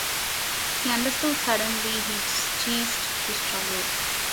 He understood suddenly, he ceased to struggle.